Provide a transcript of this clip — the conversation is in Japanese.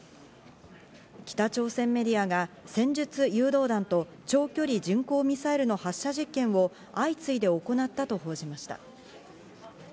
北朝鮮メディアが戦術誘導弾と長距離巡航ミサイルの発射実験を相次いで行ったと報じました。